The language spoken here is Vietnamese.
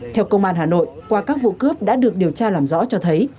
theo công an hà nội qua các vụ cướp đã được điều tra làm rõ cho thấy